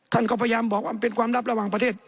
ท่านก็พยายามบอกว่ามันเป็นความลับระหว่างประเทศ